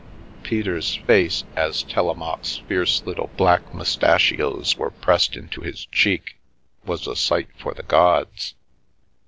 Peter's face, as Telemaque's fierce little black moustachios were pressed into his cheek, was a sight for the gods.